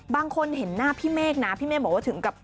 บางคนเห็นหน้าพี่เมฆนะพี่เมฆบอกว่าถึงกับ